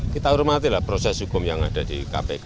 kita hormatilah proses hukum yang ada di kpk